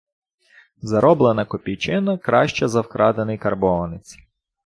Зароблена копійчина краща за вкрадений карбованець